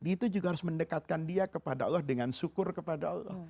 itu juga harus mendekatkan dia kepada allah dengan syukur kepada allah